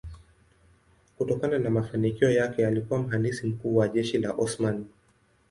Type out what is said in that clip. Kutokana na mafanikio yake alikuwa mhandisi mkuu wa jeshi la Osmani.